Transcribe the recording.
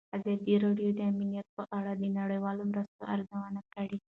ازادي راډیو د امنیت په اړه د نړیوالو مرستو ارزونه کړې.